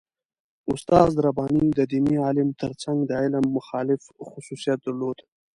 استاد رباني د دیني عالم تر څنګ د علم مخالف خصوصیت درلود.